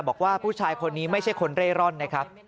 บอกว่าผู้ชายคนนี้ไม่ใช่คนเร่ร่อนนะครับ